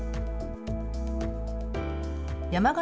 山形